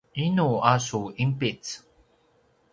inu a su inpic?